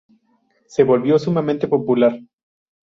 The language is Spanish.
Se volvió sumamente popular.